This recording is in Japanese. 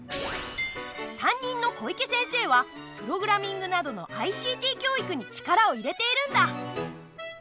担任の小池先生はプログラミングなどのＩＣＴ教育に力を入れているんだ。